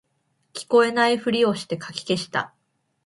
聞こえないふりしてかき消した